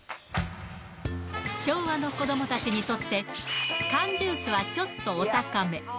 昭和の子どもたちにとって、缶ジュースはちょっとお高め。